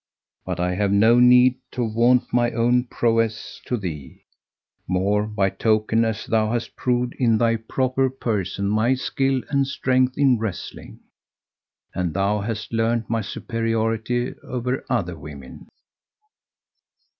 But I have no need to vaunt my own prowess to thee, more by token as thou hast proved in thy proper person my skill and strength in wrestling; and thou hast learnt my superiority over other women.